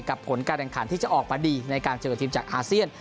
ผลการแข่งขันที่จะออกมาดีในการเจอทีมจากอาเซียน